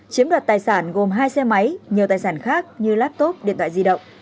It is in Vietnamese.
chiếm đoạt tài sản gồm hai xe máy nhiều tài sản khác như laptop điện thoại di động